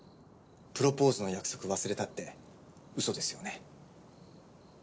プロポーズの約束忘れたってウソですよね？